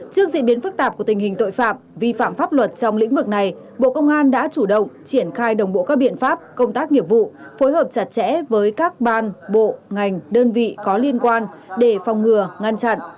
trước diễn biến phức tạp của tình hình tội phạm vi phạm pháp luật trong lĩnh vực này bộ công an đã chủ động triển khai đồng bộ các biện pháp công tác nghiệp vụ phối hợp chặt chẽ với các ban bộ ngành đơn vị có liên quan để phòng ngừa ngăn chặn